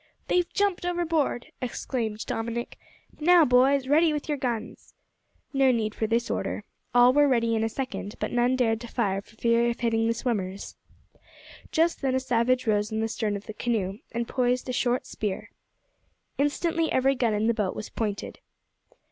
"They've jumped overboard!" exclaimed Dominick. "Now, boys ready with your guns!" No need for this order. All were ready in a second, but none dared to fire for fear of hitting the swimmers. Just then a savage rose in the stern of the canoe and poised a short spear. Instantly every gun in the boat was pointed.